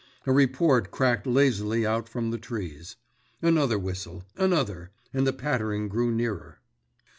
A report cracked lazily out from the trees. Another whistle, another, and the pattering grew nearer.